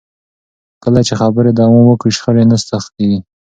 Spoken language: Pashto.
کله چې خبرې دوام وکړي، شخړې نه سختېږي.